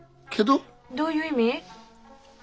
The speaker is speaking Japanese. どういう意味？